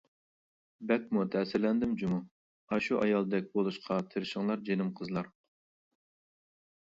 بەكمۇ تەسىرلەندىم جۇمۇ. ئاشۇ ئايالدەك بولۇشقا تىرىشىڭلار جېنىم قىزلار!